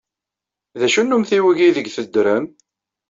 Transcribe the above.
D acu n umtiweg aydeg teddrem?